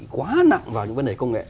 quá nặng vào những vấn đề công nghệ